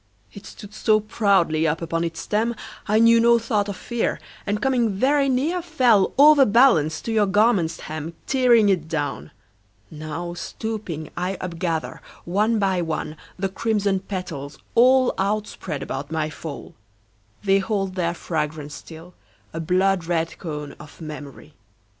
It stood so proudly up upon its stem, I knew no thought of fear, And coming very near Fell, overbalanced, to your garment's hem, Tearing it down. Now, stooping, I upgather, one by one, The crimson petals, all Outspread about my fall. They hold their fragrance still, a blood red cone Of memory.